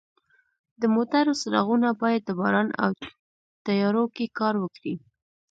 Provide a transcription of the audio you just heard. د موټرو څراغونه باید د باران او تیارو کې کار وکړي.